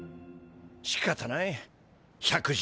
しかたない。